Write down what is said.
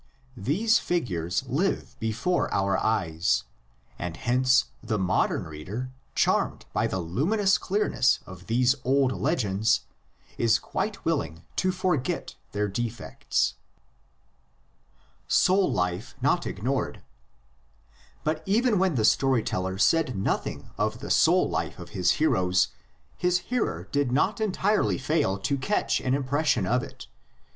These figures live before our eyes, and hence the modern reader, charmed by the luminous clearness of these old legends, is quite willing to forget their defects. SOUL LIFE NOT IGNORED. But even when the story teller said nothing of the soul life of his heroes, his hearer did not entirely fail to catch an impression of it.